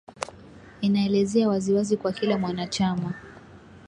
inaelezea wazi wazi kwa kila mwanachama